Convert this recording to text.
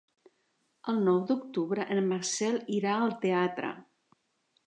El nou d'octubre en Marcel irà al teatre.